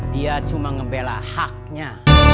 dia cuma ngebela haknya